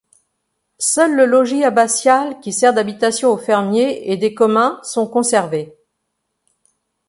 Seul le logis abbatial qui sert d'habitation au fermier et des communs sont conservés.